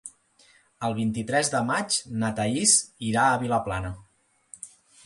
El vint-i-tres de maig na Thaís irà a Vilaplana.